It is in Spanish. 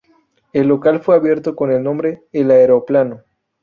El local fue abierto con el nombre "El Aeroplano".